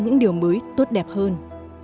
và những điều mới tốt đẹp hơn